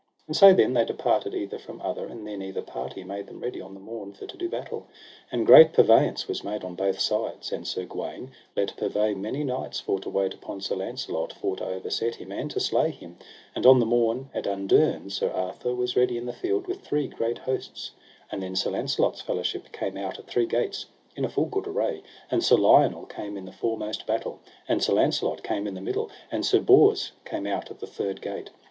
And so then they departed either from other; and then either party made them ready on the morn for to do battle, and great purveyance was made on both sides; and Sir Gawaine let purvey many knights for to wait upon Sir Launcelot, for to overset him and to slay him. And on the morn at underne Sir Arthur was ready in the field with three great hosts. And then Sir Launcelot's fellowship came out at three gates, in a full good array; and Sir Lionel came in the foremost battle, and Sir Launcelot came in the middle, and Sir Bors came out at the third gate.